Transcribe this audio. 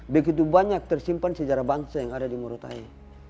karena begitu banyak tersimpan sejarah bangsa yang ada di murau taik